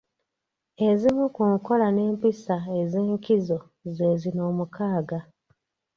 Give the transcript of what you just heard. Ezimu ku nkola n’empisa ez’enkizo ze zino omukaaga: